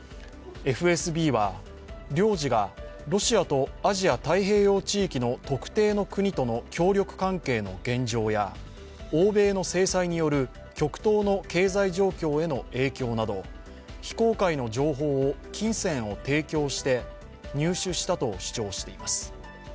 ＦＳＢは領事がロシアとアジア太平洋地域の特定の国との協力関係の現状や欧米の制裁による極東の経済状況への影響など非公開の情報を金銭を提供して入手したと主張しています。